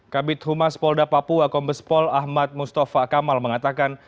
kabit humas polda papua kombespol ahmad mustafa kamal mengatakan